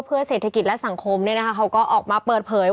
เพื่อเศรษฐกิจและสังคมเขาก็ออกมาเปิดเผย